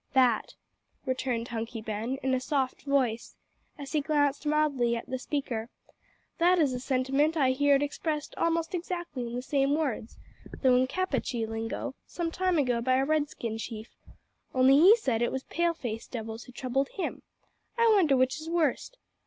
"That," returned Hunky Ben, in a soft voice, as he glanced mildly at the speaker, "that is a sentiment I heer'd expressed almost exactly in the same words, though in Capatchee lingo, some time ago by a Redskin chief only he said it was pale faced devils who troubled him. I wonder which is worst.